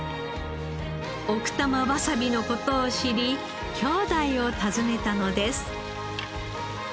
奥多摩わさびの事を知り兄弟を訪ねたのです。